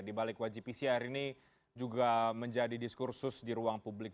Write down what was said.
di balik wajib pcr ini juga menjadi diskursus di ruang publik